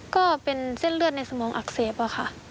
ก็เป็นเส้นเลือดในสมองอักเสบอะค่ะ